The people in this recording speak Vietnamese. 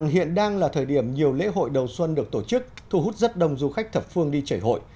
hiện đang là thời điểm nhiều lễ hội đầu xuân được tổ chức thu hút rất đông du khách thập phương đi chảy hội